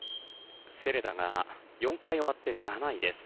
セレダが４回終わって７位。